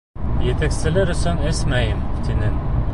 Етәкселәр өсөн эсмәйем, тинең.